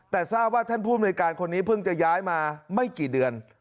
แต่ทราบว่าท่านผู้อำนวยการคนนี้เพิ่งจะย้ายมาไม่กี่เดือน